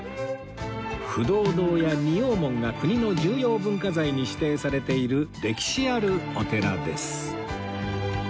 不動堂や仁王門が国の重要文化財に指定されている歴史あるお寺です